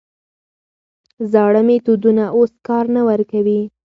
زاړه میتودونه اوس کار نه ورکوي.